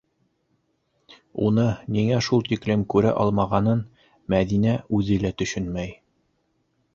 Уны ниңә шул тиклем күрә алмағанын Мәҙинә үҙе лә төшөнмәй.